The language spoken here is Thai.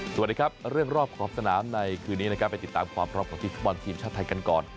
สวัสดีครับเรื่องรอบขอบสนามในคืนนี้นะครับไปติดตามความพร้อมของทีมฟุตบอลทีมชาติไทยกันก่อน